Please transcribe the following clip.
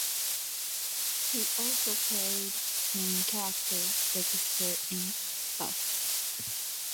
He also played main character Dexter in "Spatz".